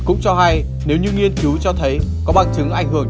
cũng cho hay nếu như nghiên cứu cho thấy có bằng chứng ảnh hưởng